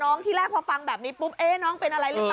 ที่แรกพอฟังแบบนี้ปุ๊บน้องเป็นอะไรหรือเปล่า